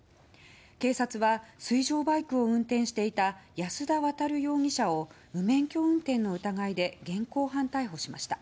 警察は水上バイクを運転していた安田亘容疑者を無免許運転の疑いで現行犯逮捕しました。